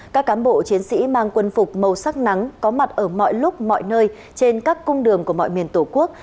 các cán bộ chiến sĩ mang quân phục màu sắc nắng có mặt ở mọi lúc mọi nơi trên các cung đường của mọi miền tổ quốc